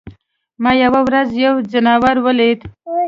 ما یوه ورځ یو ځناور ولید.